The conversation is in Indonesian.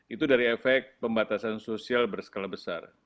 itu dari efek pembatasan sosial berskala besar